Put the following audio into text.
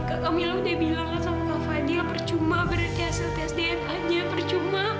lu kan kak camilla udah bilang sama kak fadiyah percuma berarti hasil tes dna nya percuma